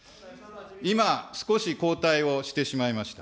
今、少し後退をしてしまいました。